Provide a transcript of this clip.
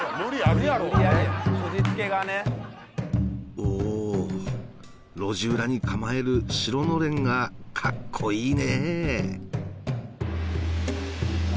おお路地裏に構える白のれんがカッコイイね